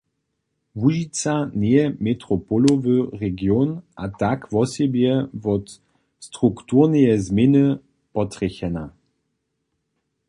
Łužica njeje metropolowy region a tak wosebje wot strukturneje změny potrjechena.